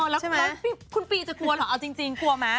แล้วคุณปีจะกลัวเหรอเอาจริงกลัวไหม